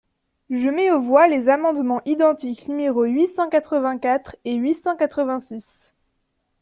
Je mets aux voix les amendements identiques numéros huit cent quatre-vingt-quatre et huit cent quatre-vingt-six.